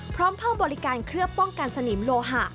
พร้อมเพิ่มบริการเคลือบป้องกันสนิมโลหะ